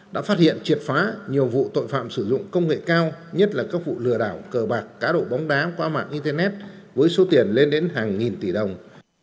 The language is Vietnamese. đã phát hiện triệt phá nhiều vụ tội phạm sử dụng công nghệ cao nhất là các vụ lừa đảo cờ bạc cá độ bóng đá qua mạng internet với số tiền lên đến hàng nghìn tỷ đồng